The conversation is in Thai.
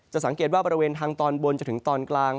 สังเกตว่าบริเวณทางตอนบนจนถึงตอนกลาง